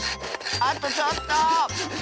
あとちょっと！